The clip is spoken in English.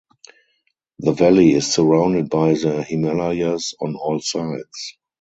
The valley is surrounded by the Himalayas on all sides.